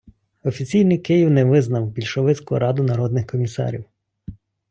Офіційний Київ не визнав більшовицьку Раду народних комісарів.